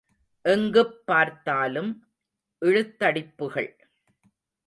எங்குப் பார்த்தாலும் இழுத் தடிப்புகள்!